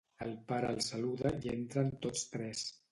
El pare el saluda i entren tots tres.